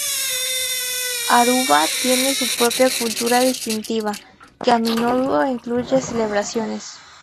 Aruba tiene su propia cultura distintiva, que a menudo incluye celebraciones.